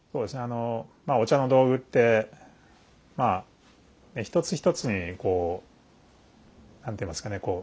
まあお茶の道具ってまあ一つ一つにこう何と言いますかね